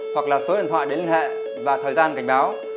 hoặc là số điện thoại để liên hệ và thời gian cảnh báo